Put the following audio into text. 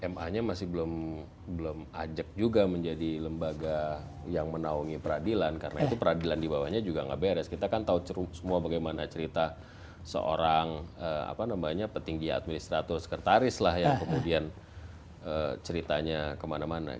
ma nya masih belum ajak juga menjadi lembaga yang menaungi peradilan karena itu peradilan di bawahnya juga nggak beres kita kan tahu semua bagaimana cerita seorang petinggi administrator sekretaris lah yang kemudian ceritanya kemana mana